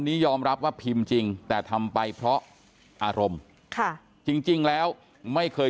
นี้ยอมรับว่าพิมพ์จริงแต่ทำไปเพราะอารมณ์ค่ะจริงจริงแล้วไม่เคย